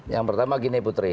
yang pertama gini putri